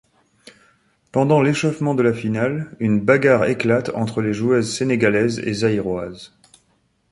Pendant l'échauffement de la finale, une bagarre éclate entre les joueuses sénégalises et zaïroises.